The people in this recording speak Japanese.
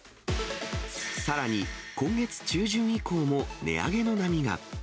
さらに、今月中旬以降も値上げの波が。